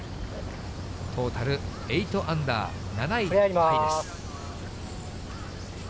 トータル８アンダー、７位タイです。